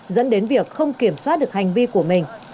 dẫn đến việc không kiểm soát được hành vi của mình